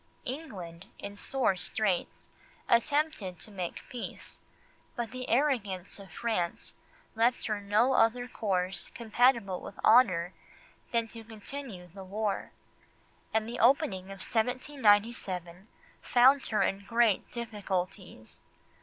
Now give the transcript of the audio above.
England, in sore straits, attempted to make peace, but the arrogance of France left her no other course compatible with honour than to continue the war, and the opening of 1797 found her in great difficulties.